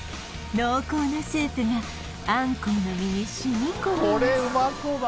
濃厚なスープがあんこうの身にしみ込みます